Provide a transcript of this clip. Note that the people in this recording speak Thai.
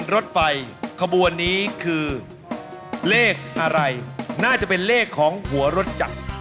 เรียกอะไรน่าจะเป็นเรียกของหัวรถจักร